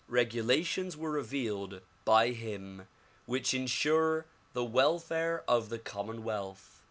Regulations were revealed by him which insure the welfare of the commonwealth.